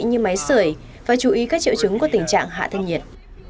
như máy sởi và chú ý các triệu chứng của tình trạng hạ thân nhiệt